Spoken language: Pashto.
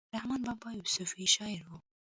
رحمان بابا يو صوفي شاعر وو.